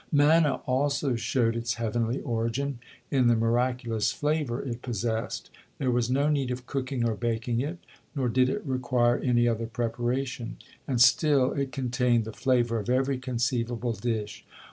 Manna also showed its heavenly origin in the miraculous flavor it possessed. There was no need of cooking or baking it, nor did it require any other preparation, and still it contained the flavor of every conceivable dish.